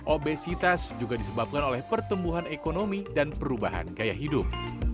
obesitas juga disebabkan oleh pertumbuhan ekonomi dan perubahan gaya hidup